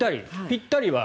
ぴったりは？